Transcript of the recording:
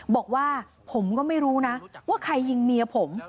บอกว่าผมก็ไม่รู้นะว่าใครยิงเมียผม